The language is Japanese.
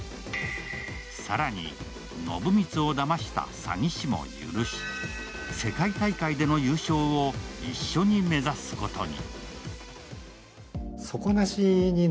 更に、暢光をだました詐欺師も許し世界大会での優勝を一緒に目指すことに。